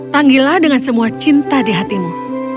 panggillah dengan semua cinta di hatimu